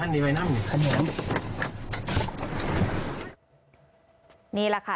นี่แหละค่ะ